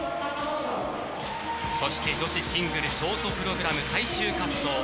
そして女子シングルショートプログラム最終滑走。